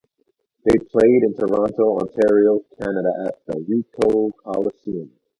They played in Toronto, Ontario, Canada at the Ricoh Coliseum.